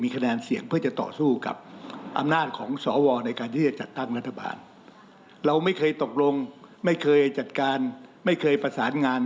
เคยตกลงไม่เคยจัดการไม่เคยประสานงาน